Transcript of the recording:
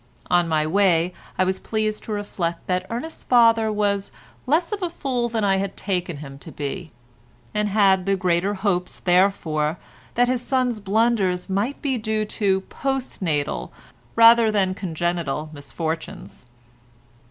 On my way I was pleased to reflect that Ernest's father was less of a fool than I had taken him to be, and had the greater hopes, therefore, that his son's blunders might be due to postnatal, rather than congenital misfortunes.